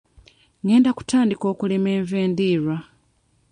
Ngenda kutandika okulima enva endiirwa.